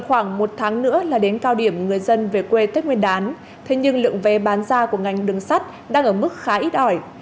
khoảng một tháng nữa là đến cao điểm người dân về quê tết nguyên đán thế nhưng lượng vé bán ra của ngành đường sắt đang ở mức khá ít ỏi